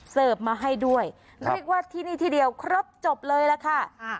เซิร์ฟมาให้ด้วยครับเรียกว่าที่นี้ทีเดียวครบจบเลยล่ะค่ะอ่า